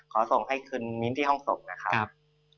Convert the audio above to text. ส่งให้คืนมิ้นที่ห้องส่งนะครับ